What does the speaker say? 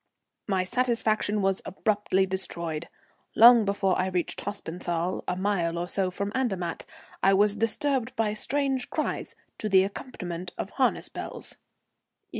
My satisfaction was abruptly destroyed. Long before I reached Hospenthal, a mile or so from Andermatt, I was disturbed by strange cries to the accompaniment of harness bells.